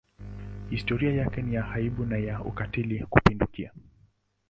Historia yake ni ya aibu na ya ukatili kupindukia.